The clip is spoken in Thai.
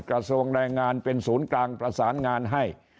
กระทรวงแรงงานเป็นศูนย์กลางประสานงานให้